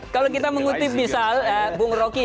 kalau kita mengutip misal bung rocky